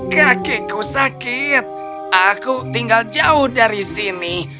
kakiku sakit aku tinggal jauh dari sini